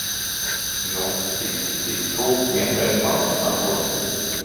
Nu, tiksi tik tu vienreiz manos nagos!